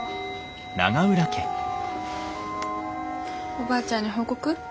おばあちゃんに報告？